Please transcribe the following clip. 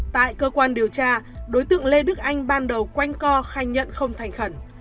tại cơ quan điều tra đối tượng lê đức anh ban đầu quanh co khai nhận không thành khẩn